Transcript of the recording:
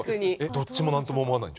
どっちも何とも思わないんじゃない？